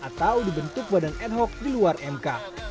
atau dibentuk badan ad hoc di luar mk